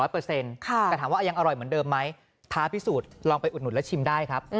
แต่ถามว่ายังอร่อยเหมือนเดิมไหมท้าพิสูจน์ลองไปอุดหนุนและชิมได้ครับ